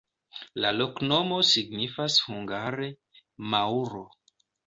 La loknomo signifas hungare: maŭro.